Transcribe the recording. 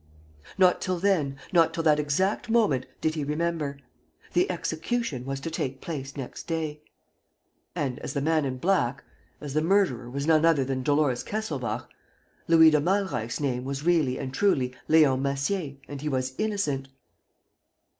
Not till then, not till that exact moment did he remember: the execution was to take place next day. And, as the man in black, as the murderer was none other than Dolores Kesselbach, Louis de Malreich's name was really and truly Leon Massier and he was innocent!